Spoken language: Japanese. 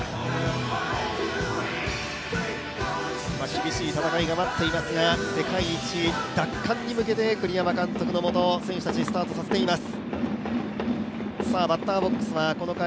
厳しい戦いが待っていますが、世界一奪還に向けて栗山監督のもと、選手たち、スタートさせています。